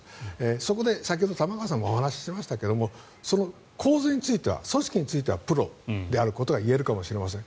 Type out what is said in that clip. そこで先ほど、玉川さんもお話しされていましたけど構図については組織についてはプロであることが言えるかもしれません。